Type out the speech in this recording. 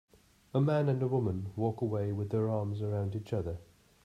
A man and a woman walk away with their arms around each other.